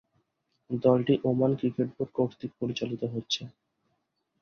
দলটি Oman cricket board কর্তৃক পরিচালিত হচ্ছে।